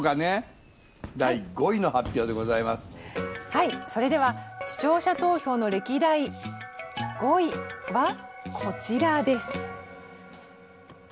はいそれでは視聴者投票の歴代５位はこちらです。